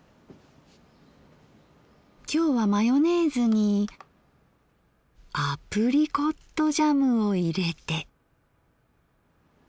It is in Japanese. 今日はマヨネーズにアプリコットジャムを入れて。